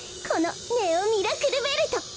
このネオ・ミラクルベルト！